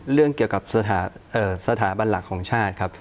เรื่องเกี่ยวกับสถาบันหลักของชาติครับ